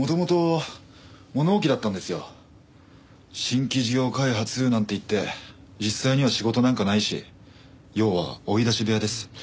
「新規事業開発」なんて言って実際には仕事なんかないし要は追い出し部屋です。